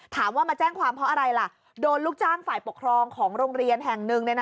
มาแจ้งความเพราะอะไรล่ะโดนลูกจ้างฝ่ายปกครองของโรงเรียนแห่งหนึ่ง